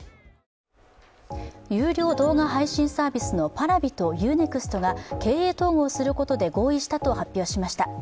有料動画配信サービスのＰａｒａｖｉとＵ−ＮＥＸＴが経営統合することで合意したと発表しました。